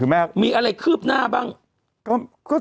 มีอะไรคือบหน้าบ้าง